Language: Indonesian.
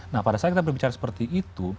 nah pada saat kita berbicara seperti itu